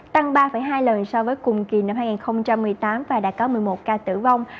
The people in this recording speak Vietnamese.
tăng ba hai lần so với cùng kỳ năm hai nghìn một mươi tám và đã có một mươi một ca tử vong